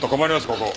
ここ。